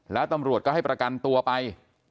แล้วตำรวจก็ให้ประกันตัวไป